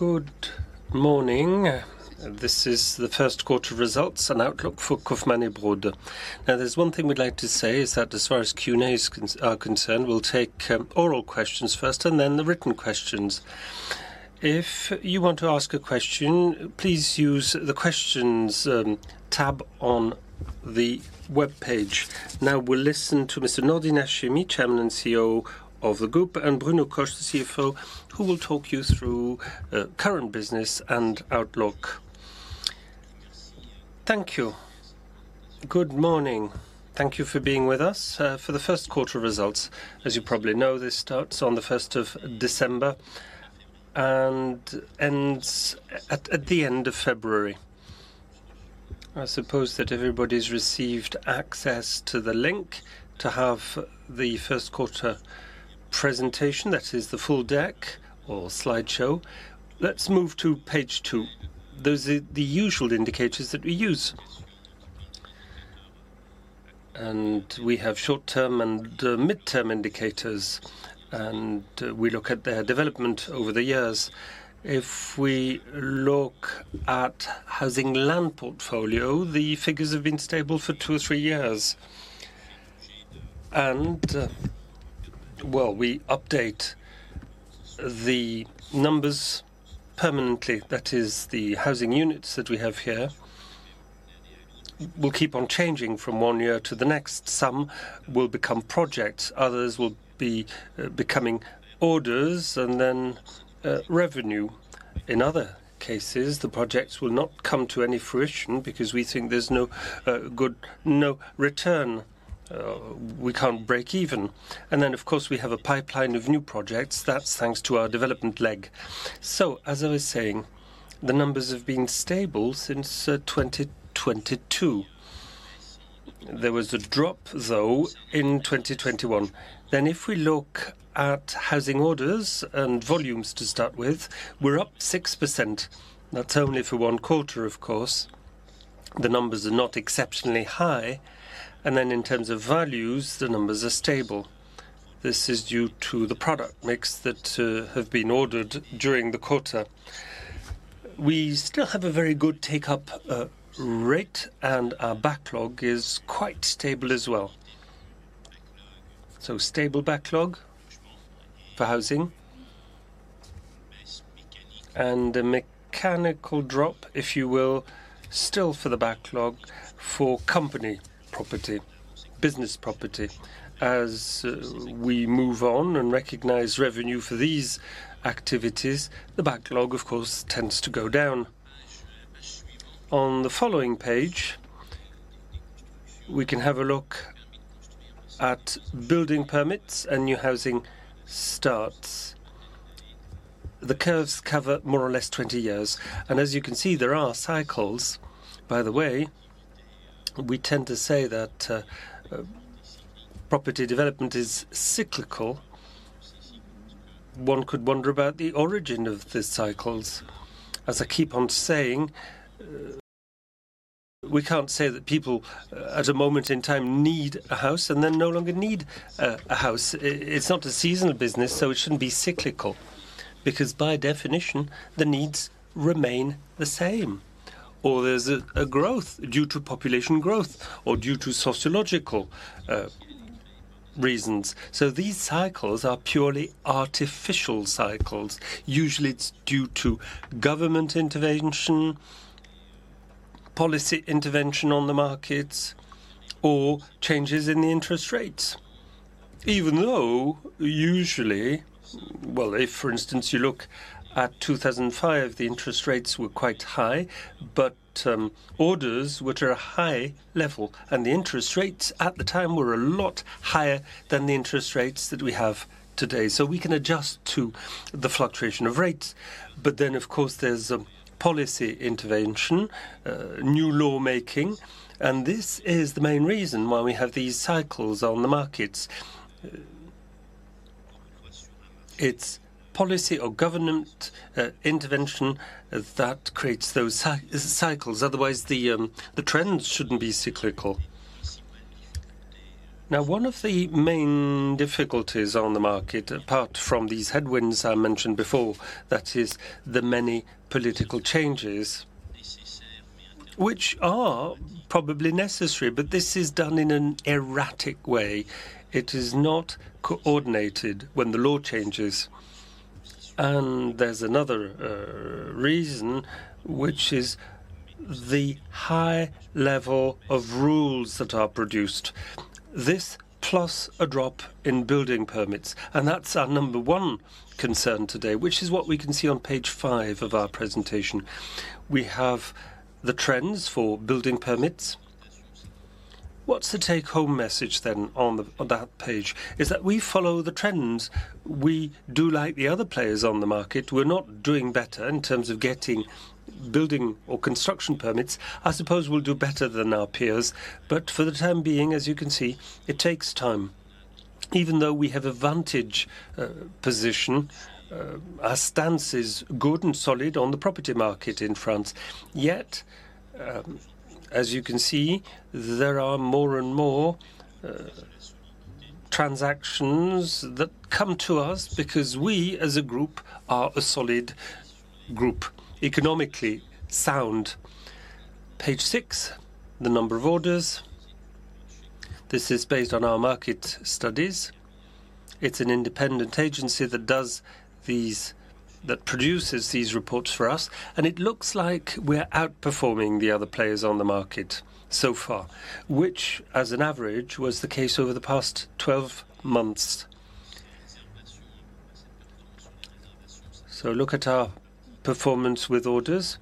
Good morning. This is the first quarter results and outlook for Kaufman & Broad. Now, there's one thing we'd like to say, is that as far as Q&A is concerned, we'll take oral questions first and then the written questions. If you want to ask a question, please use the Questions tab on the web page. Now, we'll listen to Mr. Nordine Hachemi, Chairman and CEO of the group, and Bruno Coche, the CFO, who will talk you through current business and outlook. Thank you. Good morning. Thank you for being with us for the first quarter results. As you probably know, this starts on the 1st of December and ends at the end of February. I suppose that everybody's received access to the link to have the first quarter presentation, that is, the full deck or slideshow. Let's move to page two. Those are the usual indicators that we use. We have short-term and mid-term indicators, and we look at their development over the years. If we look at the housing land portfolio, the figures have been stable for two or three years. We update the numbers permanently. That is, the housing units that we have here will keep on changing from one year to the next. Some will become projects, others will be becoming orders, and then revenue. In other cases, the projects will not come to any fruition because we think there is no good return; we cannot break even. Of course, we have a pipeline of new projects. That is thanks to our development leg. As I was saying, the numbers have been stable since 2022. There was a drop, though, in 2021. If we look at housing orders and volumes to start with, we're up 6%. That's only for one quarter, of course. The numbers are not exceptionally high. In terms of values, the numbers are stable. This is due to the product mix that has been ordered during the quarter. We still have a very good take-up rate, and our backlog is quite stable as well. Stable backlog for housing. A mechanical drop, if you will, still for the backlog for company property, business property. As we move on and recognize revenue for these activities, the backlog, of course, tends to go down. On the following page, we can have a look at building permits and new housing starts. The curves cover more or less 20 years. As you can see, there are cycles. By the way, we tend to say that property development is cyclical. One could wonder about the origin of the cycles. As I keep on saying, we can't say that people, at a moment in time, need a house and then no longer need a house. It's not a seasonal business, so it shouldn't be cyclical because, by definition, the needs remain the same. Or there's a growth due to population growth or due to sociological reasons. These cycles are purely artificial cycles. Usually, it's due to government intervention, policy intervention on the markets, or changes in the interest rates. Even though usually, if, for instance, you look at 2005, the interest rates were quite high, but orders were at a high level, and the interest rates at the time were a lot higher than the interest rates that we have today. We can adjust to the fluctuation of rates. Of course, there's policy intervention, new lawmaking, and this is the main reason why we have these cycles on the markets. It is policy or government intervention that creates those cycles. Otherwise, the trends shouldn't be cyclical. Now, one of the main difficulties on the market, apart from these headwinds I mentioned before, that is, the many political changes, which are probably necessary, but this is done in an erratic way. It is not coordinated when the law changes. There's another reason, which is the high level of rules that are produced. This plus a drop in building permits. That's our number one concern today, which is what we can see on page five of our presentation. We have the trends for building permits. What's the take-home message then on that page? It is that we follow the trends. We do like the other players on the market. We're not doing better in terms of getting building or construction permits. I suppose we'll do better than our peers. For the time being, as you can see, it takes time. Even though we have a vantage position, our stance is good and solid on the property market in France. Yet, as you can see, there are more and more transactions that come to us because we, as a group, are a solid group, economically sound. Page six, the number of orders. This is based on our market studies. It's an independent agency that produces these reports for us. It looks like we're outperforming the other players on the market so far, which, as an average, was the case over the past 12 months. Look at our performance with orders.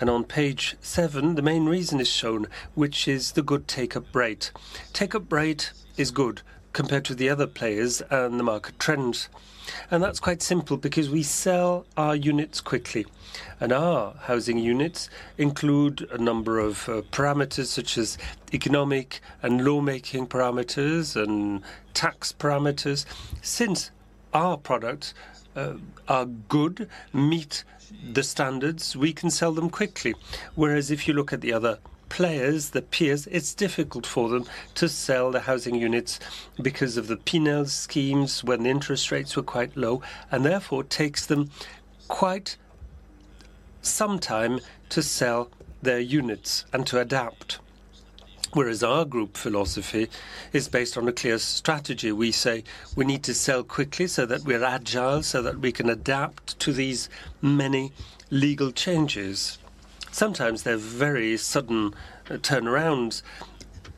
On page seven, the main reason is shown, which is the good take-up rate. Take-up rate is good compared to the other players and the market trends. That is quite simple because we sell our units quickly. Our housing units include a number of parameters such as economic and lawmaking parameters and tax parameters. Since our products are good, meet the standards, we can sell them quickly. Whereas if you look at the other players, the peers, it is difficult for them to sell the housing units because of the Pinel schemes when the interest rates were quite low. Therefore, it takes them quite some time to sell their units and to adapt. Our group philosophy is based on a clear strategy. We say we need to sell quickly so that we are agile, so that we can adapt to these many legal changes. Sometimes they're very sudden turnarounds.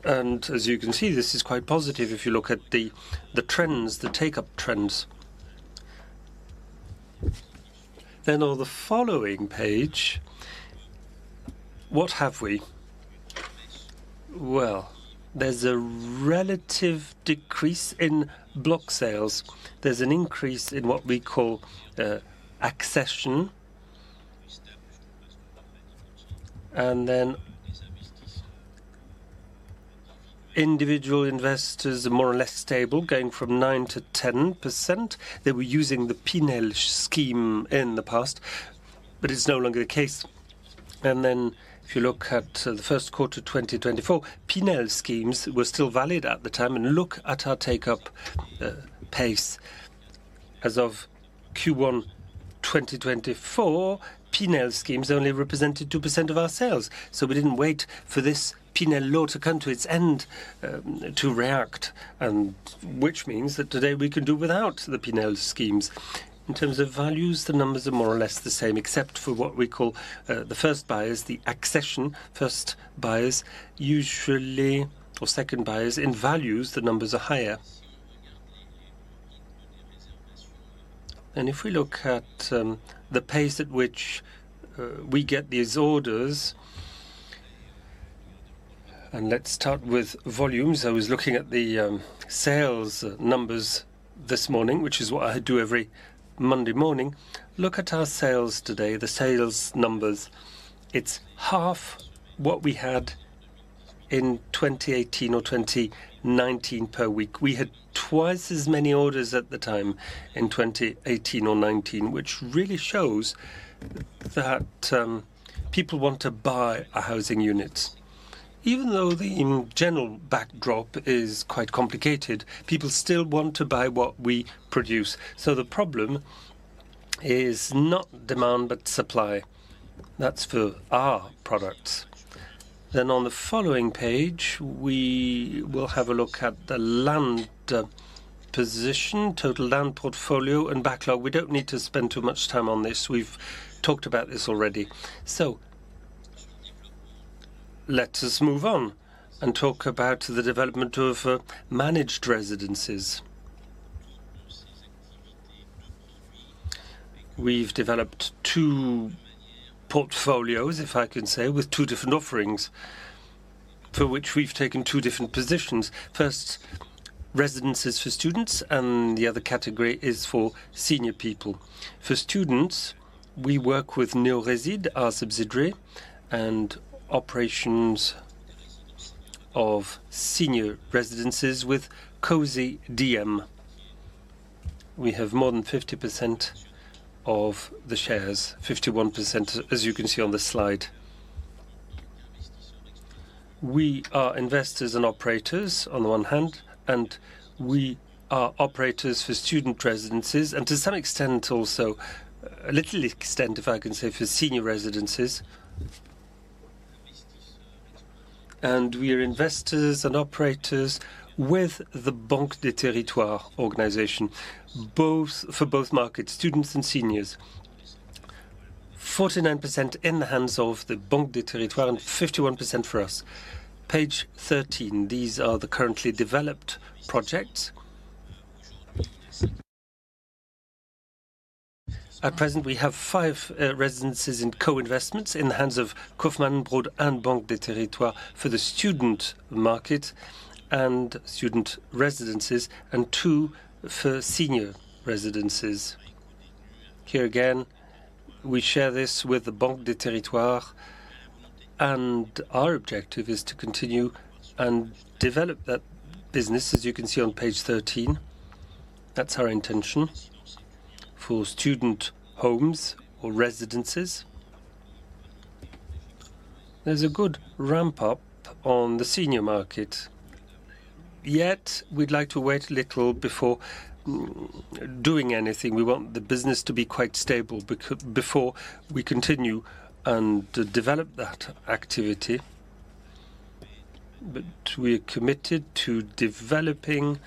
As you can see, this is quite positive if you look at the trends, the take-up trends. On the following page, what have we? There is a relative decrease in block sales. There is an increase in what we call accession. Individual investors are more or less stable, going from 9%-10%. They were using the Pinel scheme in the past, but it is no longer the case. If you look at the first quarter 2024, Pinel schemes were still valid at the time. Look at our take-up pace. As of Q1 2024, Pinel schemes only represented 2% of our sales. We did not wait for this Pinel law to come to its end to react, which means that today we can do without the Pinel schemes. In terms of values, the numbers are more or less the same, except for what we call the first buyers, the accession, first buyers, usually, or second buyers. In values, the numbers are higher. If we look at the pace at which we get these orders, and let's start with volumes. I was looking at the sales numbers this morning, which is what I do every Monday morning. Look at our sales today, the sales numbers. It's half what we had in 2018 or 2019 per week. We had twice as many orders at the time in 2018 or 2019, which really shows that people want to buy our housing units. Even though the general backdrop is quite complicated, people still want to buy what we produce. The problem is not demand, but supply. That's for our products. On the following page, we will have a look at the land position, total land portfolio, and backlog. We do not need to spend too much time on this. We have talked about this already. Let us move on and talk about the development of managed residences. We have developed two portfolios, if I can say, with two different offerings for which we have taken two different positions. First, residences for students, and the other category is for senior people. For students, we work with Neoresid, our subsidiary, and operations of senior residences with Cozy Diem. We have more than 50% of the shares, 51%, as you can see on the slide. We are investors and operators on the one hand, and we are operators for student residences, and to some extent also, a little extent, if I can say, for senior residences. We are investors and operators with the Banque des Territoires organization, both for both markets, students and seniors. 49% in the hands of the Banque des Territoires and 51% for us. Page 13, these are the currently developed projects. At present, we have five residences in co-investments in the hands of Kaufman & Broad and Banque des Territoires for the student market and student residences, and two for senior residences. Here again, we share this with the Banque des Territoires, and our objective is to continue and develop that business, as you can see on Page 13. That is our intention for student homes or residences. There is a good ramp-up on the senior market. Yet, we would like to wait a little before doing anything. We want the business to be quite stable before we continue and develop that activity. We are committed to developing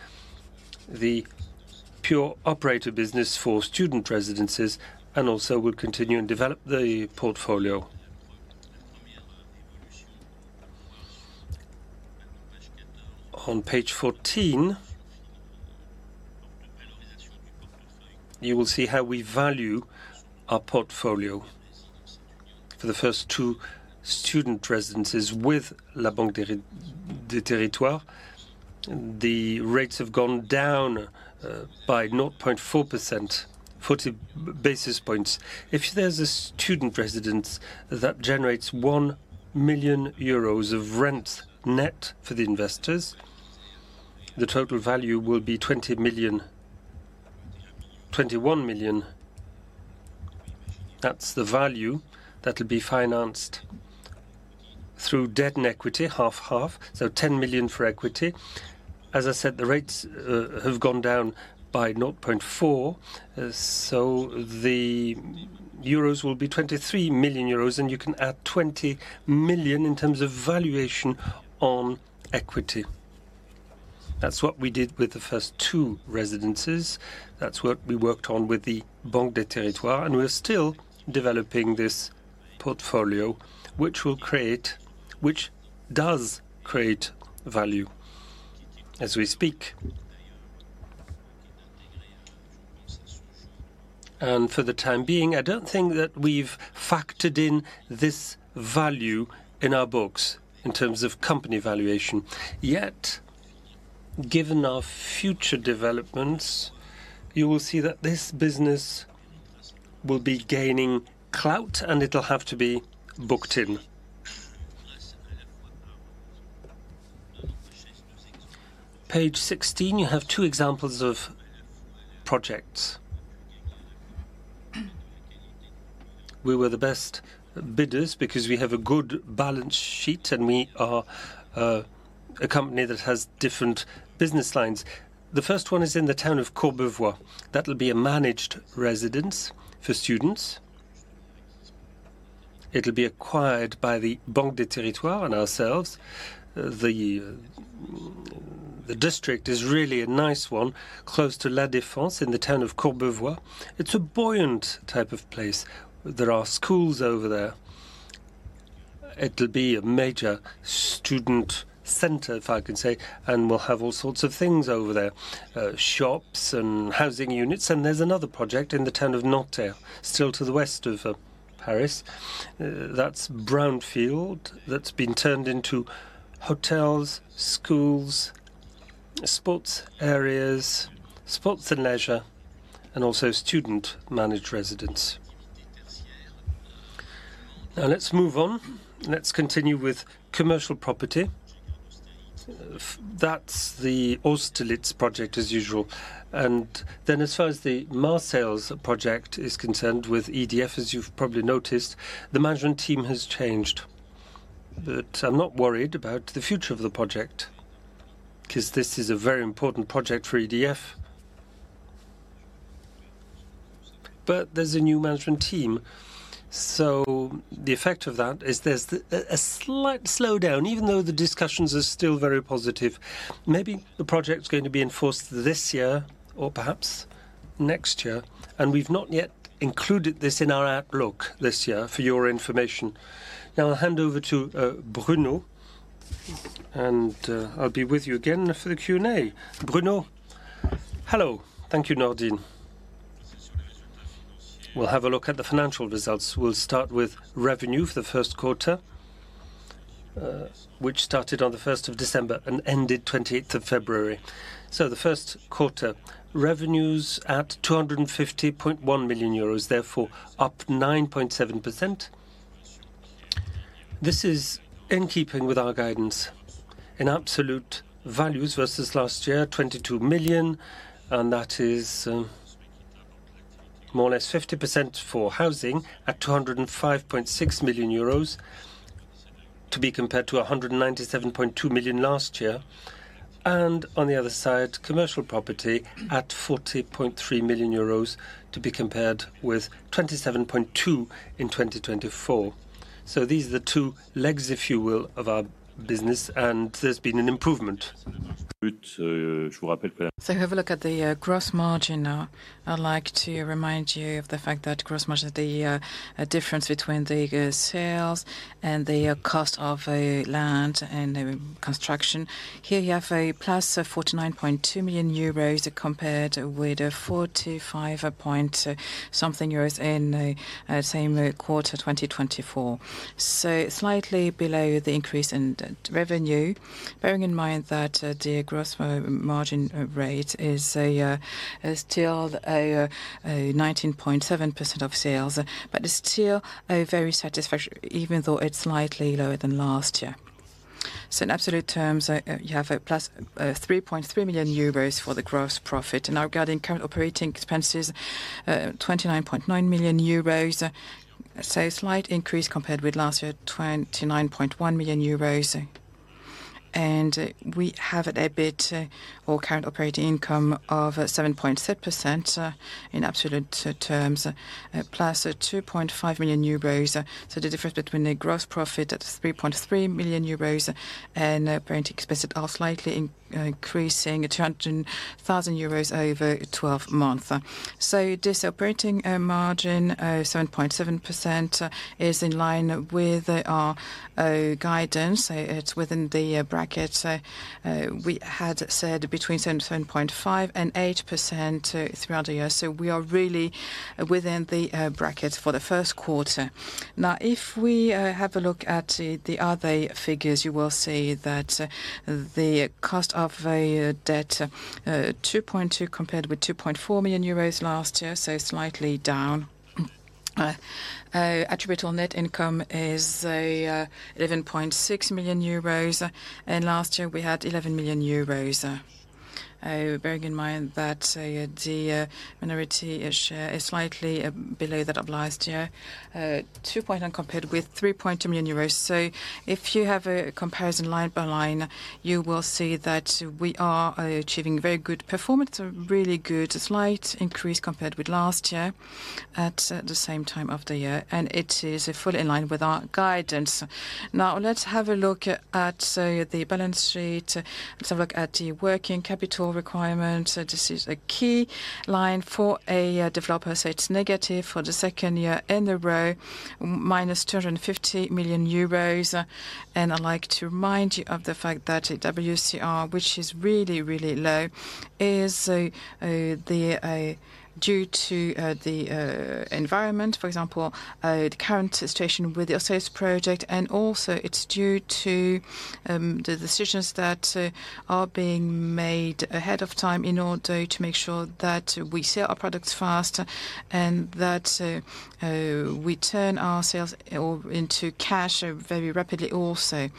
the pure operator business for student residences, and also we will continue and develop the portfolio. On Page 14, you will see how we value our portfolio. For the first two student residences with Banque des Territoires, the rates have gone down by 0.4%, 40 basis points. If there is a student residence that generates 1 million euros of rent net for the investors, the total value will be 20 million to 21 million. That is the value that will be financed through debt and equity, half-half. So, 10 million for equity. As I said, the rates have gone down by 0.4%. The euros will be 23 million euros, and you can add 20 million in terms of valuation on equity. That is what we did with the first two residences. That is what we worked on with Banque des Territoires. We're still developing this portfolio, which does create value as we speak. For the time being, I don't think that we've factored in this value in our books in terms of company valuation. Yet, given our future developments, you will see that this business will be gaining clout, and it'll have to be booked in. On Page 16, you have two examples of projects. We were the best bidders because we have a good balance sheet, and we are a company that has different business lines. The first one is in the town of Courbevoie. That will be a managed residence for students. It'll be acquired by the Banque des Territoires and ourselves. The district is really a nice one, close to La Défense in the town of Courbevoie. It's a buoyant type of place. There are schools over there. It'll be a major student center, if I can say, and we'll have all sorts of things over there: shops and housing units. There is another project in the town of Nanterre, still to the west of Paris. That is brownfield that's been turned into hotels, schools, sports areas, sports and leisure, and also student-managed residence. Now, let's move on. Let's continue with commercial property. That is the Austerlitz project, as usual. As far as the Marseille project is concerned with EDF, as you've probably noticed, the management team has changed. I am not worried about the future of the project because this is a very important project for EDF. There is a new management team. The effect of that is there's a slight slowdown, even though the discussions are still very positive. Maybe the project's going to be enforced this year or perhaps next year. We have not yet included this in our outlook this year, for your information. Now, I'll hand over to Bruno, and I'll be with you again for the Q&A. Bruno, hello. Thank you, Nordine. We'll have a look at the financial results. We'll start with revenue for the first quarter, which started on the 1st of December and ended 28th of February. The first quarter revenue is at 250.1 million euros, therefore up 9.7%. This is in keeping with our guidance in absolute values versus last year, 22 million. That is more or less 50% for housing at 205.6 million euros to be compared to 197.2 million last year. On the other side, commercial property at 40.3 million euros to be compared with 27.2 million in 2024. These are the two legs, if you will, of our business, and there has been an improvement. Have a look at the gross margin. I'd like to remind you of the fact that gross margin is the difference between the sales and the cost of land and construction. Here, you have a plus 49.2 million euros compared with 45 point something in the same quarter 2024. Slightly below the increase in revenue, bearing in mind that the gross margin rate is still 19.7% of sales, but it's still very satisfactory, even though it's slightly lower than last year. In absolute terms, you have a plus 3.3 million euros for the gross profit. Now, regarding current operating expenses, 29.9 million euros. A slight increase compared with last year, 29.1 million euros. We have a debit or current operating income of 7.6% in absolute terms, plus 2.5 million euros. The difference between the gross profit at 3.3 million euros and operating expenses are slightly increasing, 200,000 euros over twelve months. This operating margin, 7.7%, is in line with our guidance. It's within the bracket we had said between 7.5%-8% throughout the year. We are really within the bracket for the first quarter. Now, if we have a look at the other figures, you will see that the cost of debt, 2.2 million compared with 2.4 million euros last year, so slightly down. Attributable net income is 11.6 million euros. Last year, we had 11 million euros, bearing in mind that the minority share is slightly below that of last year, 2.1 million euros compared with 3.2 million euros. If you have a comparison line by line, you will see that we are achieving very good performance, a really good slight increase compared with last year at the same time of the year. It is fully in line with our guidance. Now, let's have a look at the balance sheet. Let's have a look at the working capital requirement. This is a key line for a developer. It is negative for the second year in a row, 250 million euros. I'd like to remind you of the fact that WCR, which is really, really low, is due to the environment, for example, the current situation with the Austerlitz project. Also, it is due to the decisions that are being made ahead of time in order to make sure that we sell our products fast and that we turn our sales into cash very rapidly also.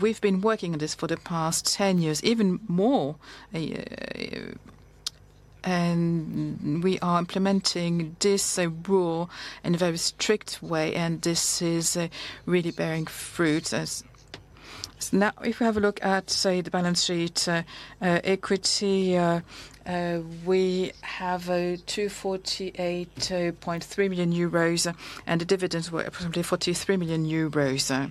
We have been working on this for the past 10 years, even more. We are implementing this rule in a very strict way, and this is really bearing fruit. Now, if we have a look at, say, the balance sheet equity, we have 248.3 million euros, and the dividends were approximately 43 million euros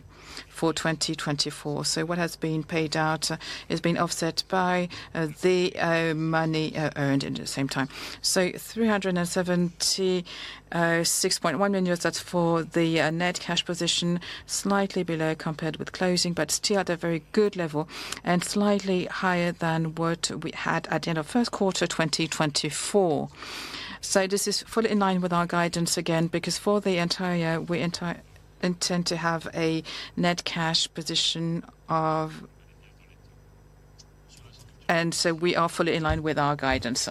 for 2024. What has been paid out has been offset by the money earned in the same time. 376.1 million euros, that is for the net cash position, slightly below compared with closing, but still at a very good level and slightly higher than what we had at the end of first quarter 2024. This is fully in line with our guidance again because for the entire year, we intend to have a net cash position of. We are fully in line with our guidance.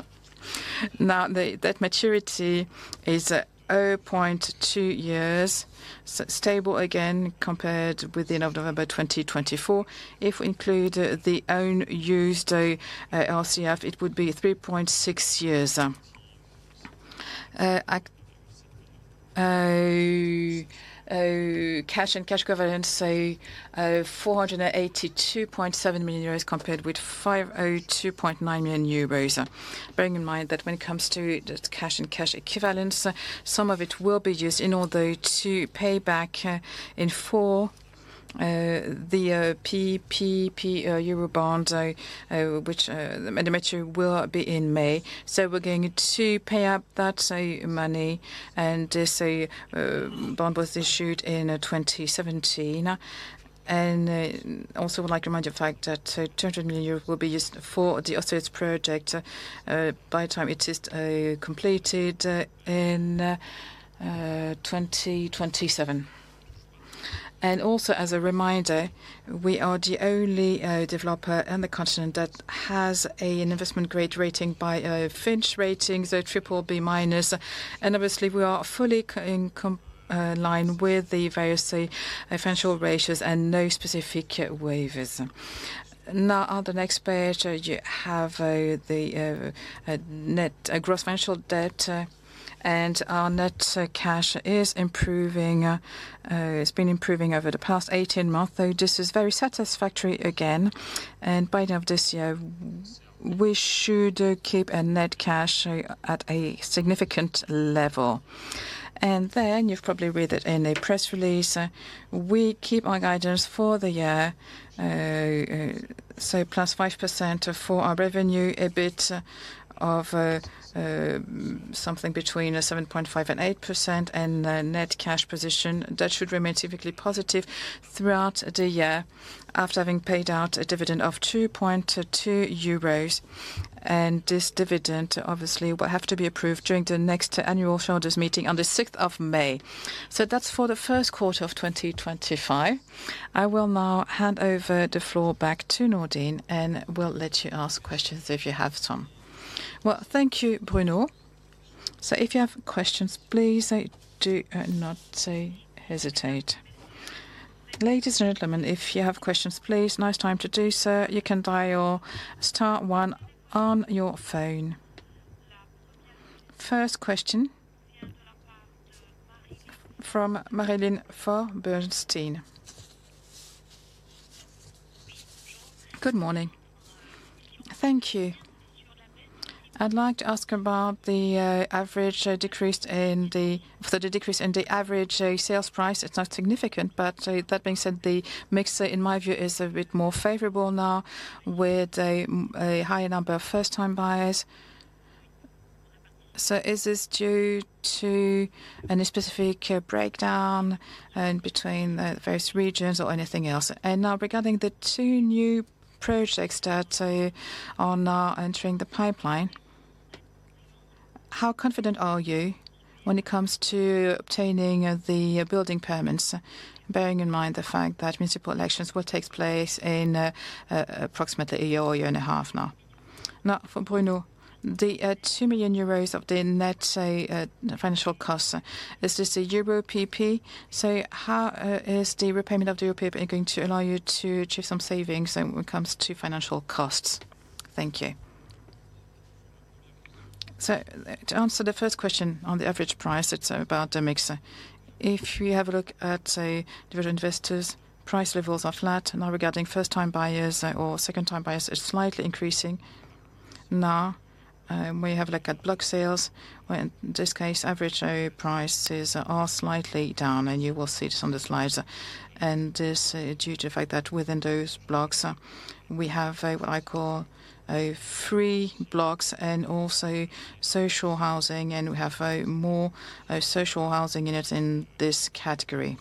Now, that maturity is 0.2 years, stable again compared with the end of November 2024. If we include the unused RCF, it would be 3.6 years. Cash and cash equivalents, say, 482.7 million euros compared with 502.9 million euros. Bearing in mind that when it comes to cash and cash equivalents, some of it will be used in order to pay back in full the Euro PP, which will mature in May. We're going to pay up that money, and this bond was issued in 2017. Also, I'd like to remind you of the fact that 200 million euros will be used for the Austerlitz project by the time it is completed in 2027. Also, as a reminder, we are the only developer in the continent that has an investment grade rating by a Fitch rating, so BBB-. Obviously, we are fully in line with the various financial ratios and no specific waivers. On the next page, you have the net gross financial debt, and our net cash is improving. It's been improving over the past 18 months. This is very satisfactory again. By the end of this year, we should keep a net cash at a significant level. You have probably read it in a press release, we keep our guidance for the year, so plus 5% for our revenue, a bit of something between 7.5%-8%, and the net cash position that should remain typically positive throughout the year after having paid out a dividend of 2.2 euros. This dividend, obviously, will have to be approved during the next annual shareholders' meeting on the 6th of May. That is for the first quarter of 2025. I will now hand over the floor back to Nordine, and we'll let you ask questions if you have some. Thank you, Bruno. If you have questions, please do not hesitate. Ladies and gentlemen, if you have questions, please, now is the time to do so. You can dial star one on your phone. First question from Maryline von Bernstein. Good morning. Thank you. I'd like to ask about the average decrease in the. For the decrease in the average sales price, it's not significant, but that being said, the mix, in my view, is a bit more favorable now with a higher number of first-time buyers. Is this due to any specific breakdown between the various regions or anything else? Now, regarding the two new projects that are now entering the pipeline, how confident are you when it comes to obtaining the building permits? Bearing in mind the fact that municipal elections will take place in approximately a year or a year and a half now. Now, for Bruno, the 2 million euros of the net financial cost, is this the Euro PP? How is the repayment of the Euro PP going to allow you to achieve some savings when it comes to financial costs? Thank you. To answer the first question on the average price, it's about the mix. If we have a look at the different investors, price levels are flat. Now, regarding first-time buyers or second-time buyers, it's slightly increasing. If we have a look at block sales, in this case, average prices are slightly down, and you will see this on the slides. This is due to the fact that within those blocks, we have what I call free blocks and also social housing, and we have more social housing units in this category.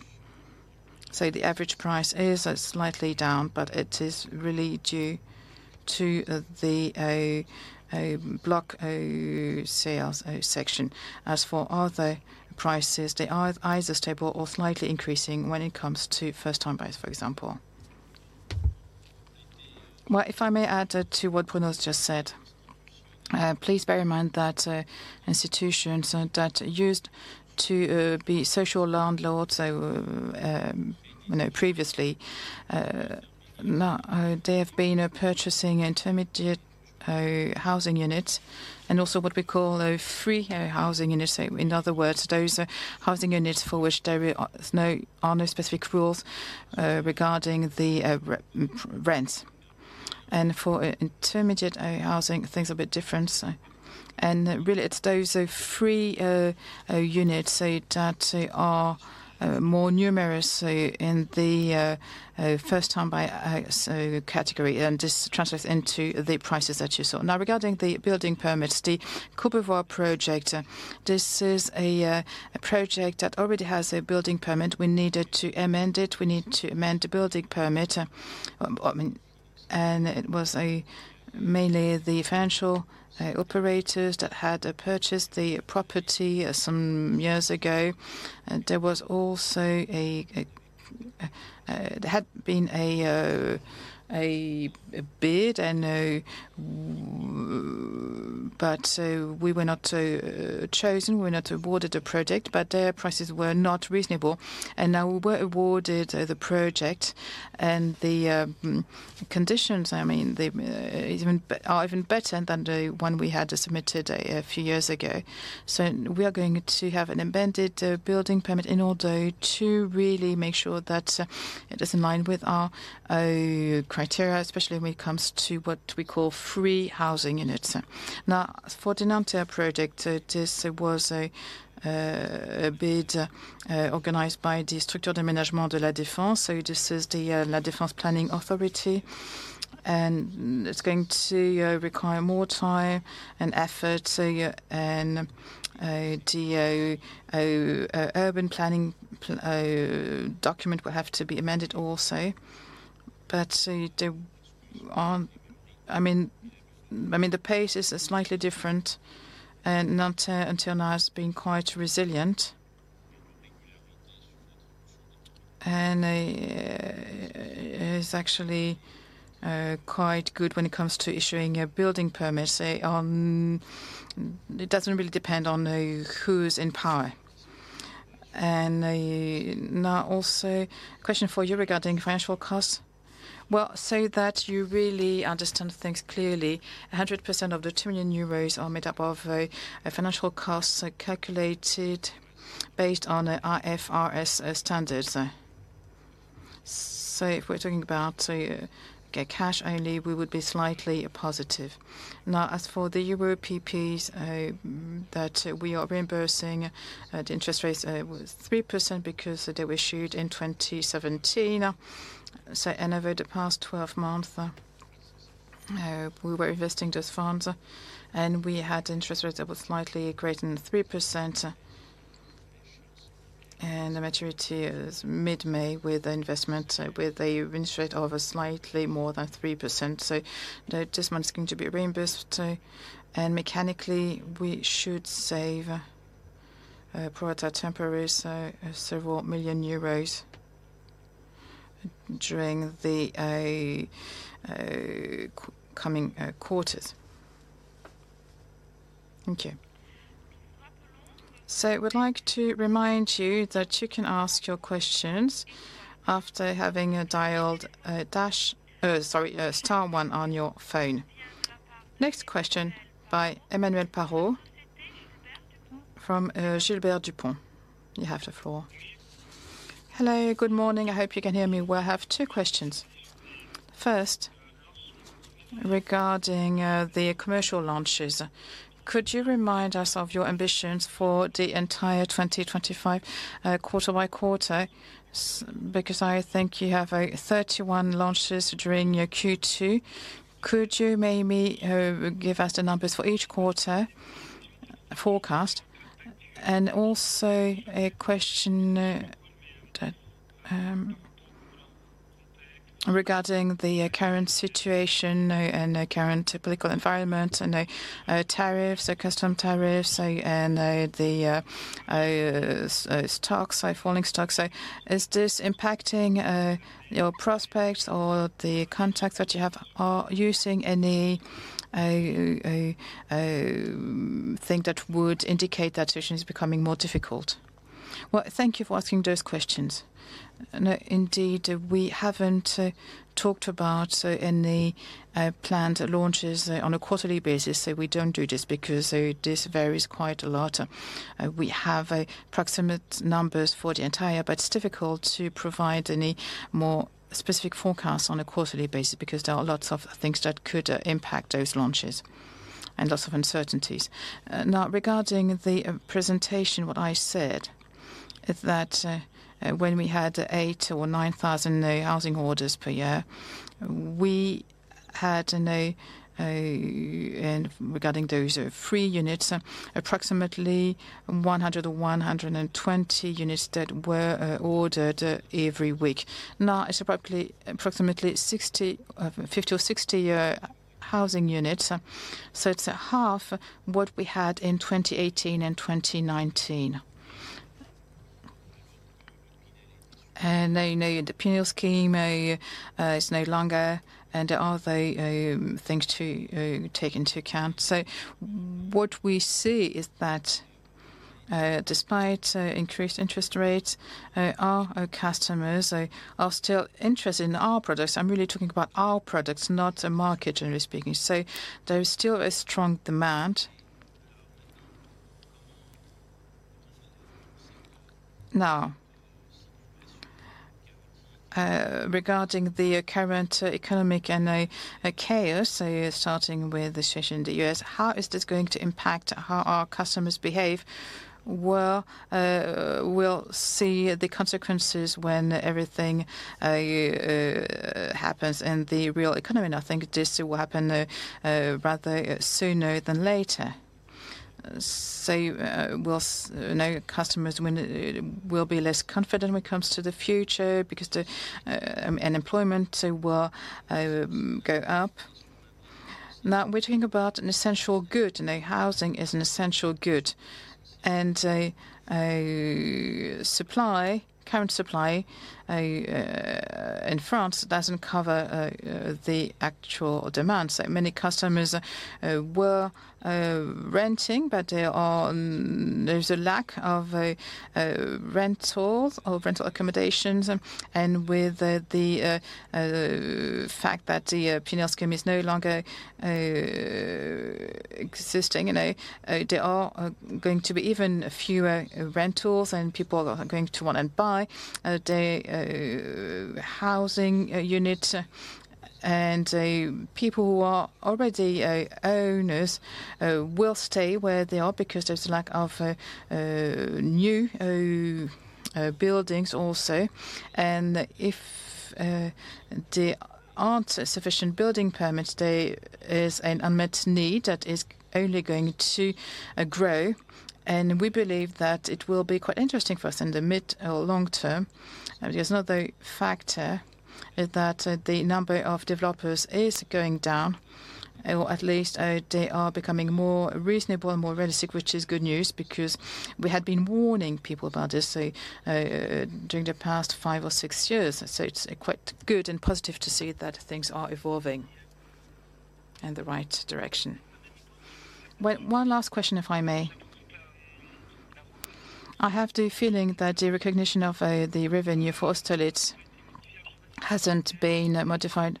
The average price is slightly down, but it is really due to the block sales section. As for other prices, they are either stable or slightly increasing when it comes to first-time buyers, for example. If I may add to what Bruno has just said, please bear in mind that institutions that used to be social landlords previously, now they have been purchasing intermediate housing units and also what we call free housing units. In other words, those housing units for which there are no specific rules regarding the rent. For intermediate housing, things are a bit different. It is those free units that are more numerous in the first-time buyers category, and this translates into the prices that you saw. Now, regarding the building permits, the Courbevoie project, this is a project that already has a building permit. We needed to amend it. We need to amend the building permit. It was mainly the financial operators that had purchased the property some years ago. There was also a bid, but we were not chosen. We were not awarded the project, but their prices were not reasonable. Now we were awarded the project, and the conditions, I mean, are even better than the one we had submitted a few years ago. We are going to have an amended building permit in order to really make sure that it is in line with our criteria, especially when it comes to what we call free housing units. Now, for Dinante project, this was a bid organized by the Structure d'Aménagement de la Défense. This is the La Défense Planning Authority. It is going to require more time and effort. The urban planning document will have to be amended also. I mean, the pace is slightly different. Nanterre until now has been quite resilient. It is actually quite good when it comes to issuing a building permit. It does not really depend on who is in power. Now, also, a question for you regarding financial costs. So that you really understand things clearly, 100% of the 2 million euros are made up of financial costs calculated based on IFRS standards. If we're talking about cash only, we would be slightly positive. As for the Euro PPs that we are reimbursing, the interest rate was 3% because they were issued in 2017. Over the past 12 months, we were investing those funds, and we had interest rates that were slightly greater than 3%. The maturity is mid-May with investment with an interest rate of slightly more than 3%. This month is going to be reimbursed. Mechanically, we should save per temporary several million euros during the coming quarters. Thank you. I would like to remind you that you can ask your questions after having dialed—sorry, star one on your phone. Next question by Emmanuel Parot from Gilbert Dupont. You have the floor. Hello, good morning. I hope you can hear me. We have two questions. First, regarding the commercial launches, could you remind us of your ambitions for the entire 2025 quarter by quarter? Because I think you have 31 launches during Q2. Could you maybe give us the numbers for each quarter forecast? Also a question regarding the current situation and the current political environment and tariffs, customs tariffs, and the stocks, falling stocks. Is this impacting your prospects or the contacts that you have using anything that would indicate that situation is becoming more difficult? Thank you for asking those questions. Indeed, we have not talked about any planned launches on a quarterly basis. We do not do this because this varies quite a lot. We have approximate numbers for the entire, but it's difficult to provide any more specific forecasts on a quarterly basis because there are lots of things that could impact those launches and lots of uncertainties. Now, regarding the presentation, what I said is that when we had 8,000 or 9,000 housing orders per year, we had, regarding those free units, approximately 100 or 120 units that were ordered every week. Now, it's approximately 50 or 60 housing units. It is half what we had in 2018 and 2019. The Pinel scheme is no longer, and there are things to take into account. What we see is that despite increased interest rates, our customers are still interested in our products. I'm really talking about our products, not the market, generally speaking. There is still a strong demand. Now, regarding the current economic chaos, starting with the situation in the U.S., how is this going to impact how our customers behave? We'll see the consequences when everything happens in the real economy. I think this will happen rather sooner than later. Customers will be less confident when it comes to the future because unemployment will go up. We're talking about an essential good. Housing is an essential good. Current supply in France does not cover the actual demand. Many customers were renting, but there is a lack of rentals or rental accommodations. With the fact that the Pinel scheme is no longer existing, there are going to be even fewer rentals, and people are going to want to buy housing units. People who are already owners will stay where they are because there is a lack of new buildings also. If there aren't sufficient building permits, there is an unmet need that is only going to grow. We believe that it will be quite interesting for us in the mid or long term. There's another factor that the number of developers is going down, or at least they are becoming more reasonable and more realistic, which is good news because we had been warning people about this during the past five or six years. It is quite good and positive to see that things are evolving in the right direction. One last question, if I may. I have the feeling that the recognition of the revenue for Austerlitz hasn't been modified.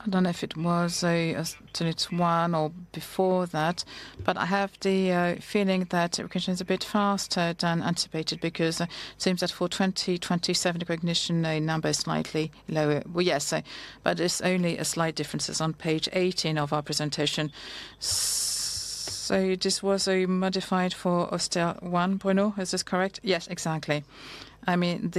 I don't know if it was Austerlitz 1 or before that, but I have the feeling that recognition is a bit faster than anticipated because it seems that for 2027, the recognition number is slightly lower. Yes, but it's only a slight difference. It's on Page 18 of our presentation. This was modified for Austerlitz 1.0. Is this correct? Yes, exactly. I mean,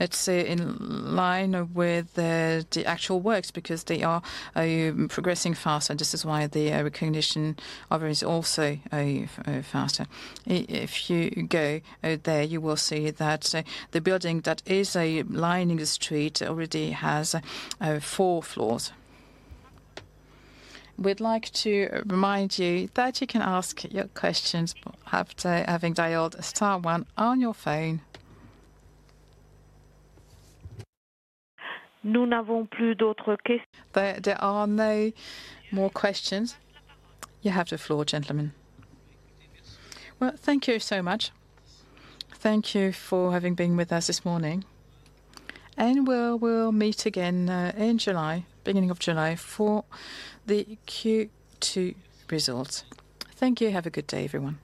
it's in line with the actual works because they are progressing fast, and this is why the recognition of it is also faster. If you go there, you will see that the building that is lining the street already has four floors. We'd like to remind you that you can ask your questions after having dialed star one on your phone. There are no more questions. You have the floor, gentlemen. Thank you so much. Thank you for having been with us this morning. We will meet again in July, beginning of July, for the Q2 results. Thank you. Have a good day, everyone.